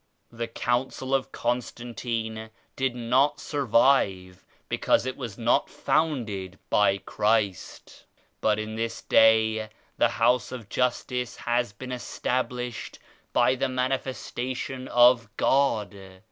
The Council of Constantine did not survive because it was not founded by Christ; but in this Day the House of Justice has been established by the Manifestation of God.